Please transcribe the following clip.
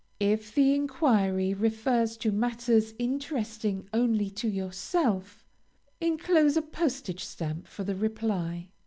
If the enquiry refers to matters interesting only to yourself, enclose a postage stamp for the reply.